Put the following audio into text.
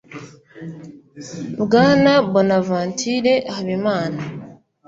bwana bonavantura habimana.